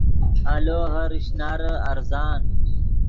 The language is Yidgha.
آلو ہر اشنارے ارزان